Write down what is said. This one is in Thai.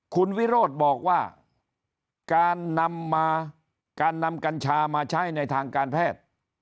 คุณวิโรธบอกว่าการนำมาการนำกัญชามาใช้ในทางการแพทย์